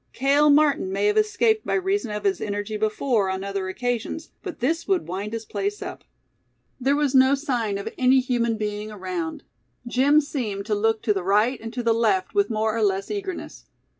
Cale Martin may have escaped by reason of his energy before, on other occasions, but this would wind his place up. There was no sign of any human being around. Jim seemed to look to the right and to the left with more or less eagerness.